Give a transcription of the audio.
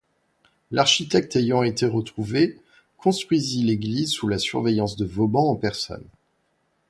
L'architecte ayant été retrouvé, construisit l'église sous la surveillance de Vauban en personne.